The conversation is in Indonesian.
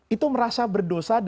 itu merasa berdosa